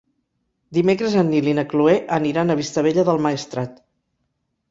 Dimecres en Nil i na Cloè aniran a Vistabella del Maestrat.